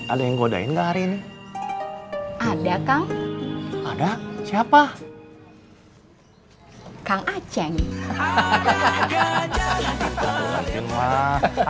ada yang godain karin ada kau ada siapa hai kang aceh hahaha hahaha